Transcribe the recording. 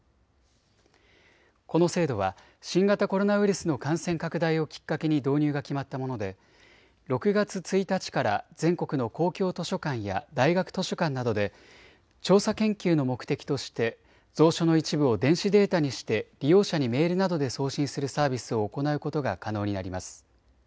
この制度は新型コロナウイルスの感染拡大をきっかけに導入が決まったもので６月１日から全国の公共図書館や大学図書館などで調査研究の目的として蔵書の一部を電子データにして利用者にメールなどで送信するサービスを行うことが可能になります。